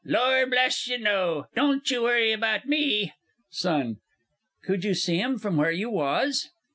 Lor' bless you, no. Don't you worry about me. SON. Could you see 'em from where you was?